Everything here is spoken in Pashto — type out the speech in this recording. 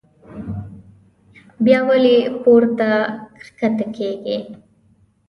بيا ولې پورته کښته کيږي